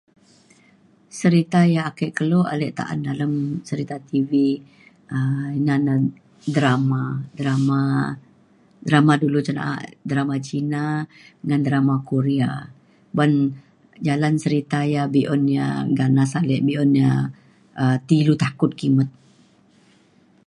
Serita yak ake kelo ale ta’an dalem serita TV um ina na drama. Drama drama dulu cen na’a drama Cina ngan drama Korea ban jalan serita ia’ be’un ia’ ganad ale. Be’un ia’ um ti ilu takut kimet.